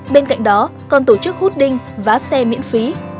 bên cạnh đó còn tổ chức hút đinh vá xe miễn phí